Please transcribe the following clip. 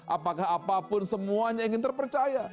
apakah apapun semuanya ingin terpercaya